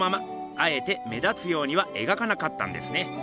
あえて目立つようには描かなかったんですね。